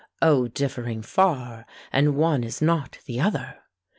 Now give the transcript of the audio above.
Oh differing far! and one is not the other!